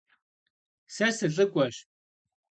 Сэ сылӀыкӀуэщ.